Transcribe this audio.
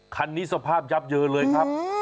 คันนี้สภาพยับเยินเลยครับ